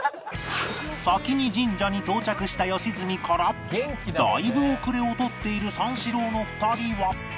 先に神社に到着した良純からだいぶ後れを取っている三四郎の２人は